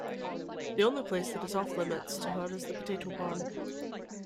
The only place that is off-limits to her is the potato barn.